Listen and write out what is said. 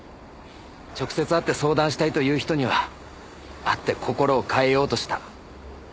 直接会って相談したいという人には会って心を変えようとした。